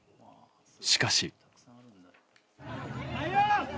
しかし。